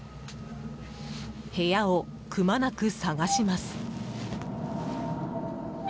部屋をくまなく探します。